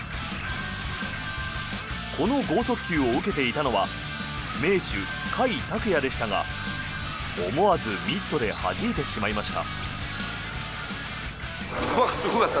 この豪速球を受けていたのは名手・甲斐拓也でしたが思わずミットではじいてしまいました。